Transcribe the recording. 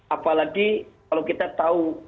apalagi kalau kita tahu